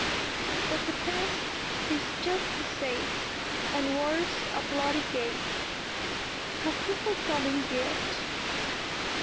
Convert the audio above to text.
But the past is just the same, and War's a bloody game.... _Have you forgotten yet?